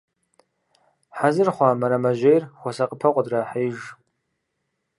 Хьэзыр хъуа мэрэмэжьейр хуэсакъыпэу къыдрахьеиж.